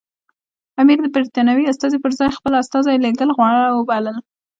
امیر د برټانوي استازي پر ځای خپل استازی لېږل غوره وبلل.